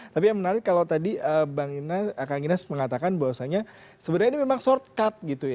tapi yang menarik kalau tadi bang ines mengatakan bahwasannya sebenarnya ini memang short cut gitu